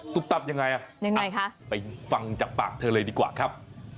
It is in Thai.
ตุ๊กตับยังไงน่ะไปฟังจากปากเธอเลยดีกว่าครับ